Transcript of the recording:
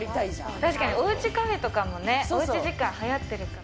確かにおうちカフェとかね、おうち時間はやってるから。